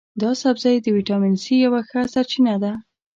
دا سبزی د ویټامین سي یوه ښه سرچینه ده.